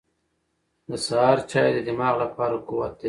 • د سهار چای د دماغ لپاره قوت دی.